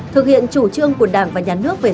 thực hiện chủ trương của đảng và nhà nước